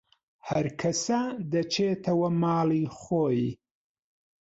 هەرکەسە دەچێتەوە ماڵەخۆی